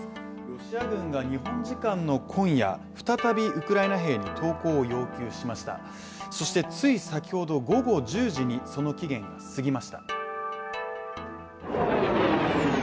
ロシア軍が日本時間の今夜、再びウクライナ兵に投降を要求しましたそしてついさきほど午後１０時に、その期限が過ぎました。